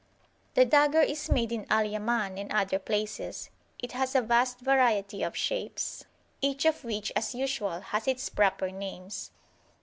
The dagger is made in Al Yaman and other places: it has a vast variety of shapes, each of which, as usual, has its proper names.